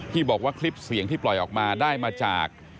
บอกว่าคลิปเสียงที่ปล่อยออกมาได้มาจาก